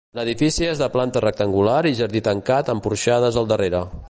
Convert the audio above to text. L'edifici és de planta rectangular i jardí tancat amb porxades al darrere.